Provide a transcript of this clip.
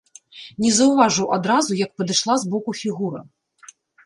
Не заўважыў адразу, як падышла збоку фігура.